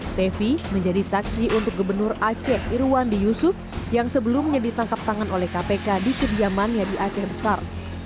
stefi menjadi saksi untuk gubernur aceh irwandi yusuf yang sebelumnya ditangkap tangan oleh kpk di kediamannya di aceh besar